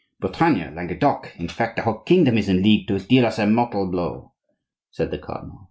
"Bretagne, Languedoc, in fact the whole kingdom is in league to deal us a mortal blow," said the cardinal.